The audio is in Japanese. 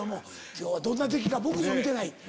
今日はどんな出来か僕も見てない。